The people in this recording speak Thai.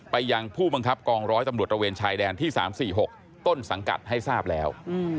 ยังผู้บังคับกองร้อยตำรวจระเวนชายแดนที่๓๔๖ต้นสังกัดให้ทราบแล้ว